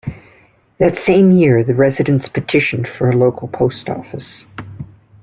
That same year, the residents petitioned for a local post office.